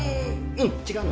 うん違うの。